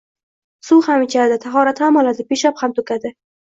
suv ham ichadi, tahorat ham oladi, peshob ham to’kadi.